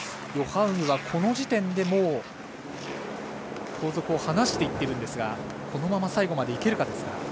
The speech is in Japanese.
ヨハウグはこの時点でもう後続を離していっていますがこのまま最後まで行けるか。